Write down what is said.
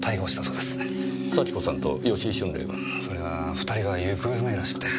それが２人は行方不明らしくて。